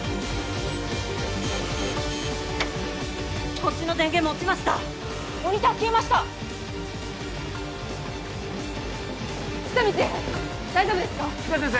こっちの電源も落ちましたモニター消えました喜多見チーフ